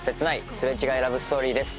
擦れ違いラブストーリーです。